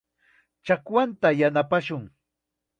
Chakwanta yanapashun.